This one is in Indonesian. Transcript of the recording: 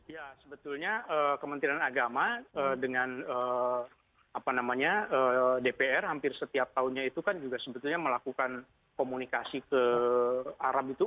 ya sebetulnya kementerian agama dengan dpr hampir setiap tahunnya itu kan juga sebetulnya melakukan komunikasi ke arab itu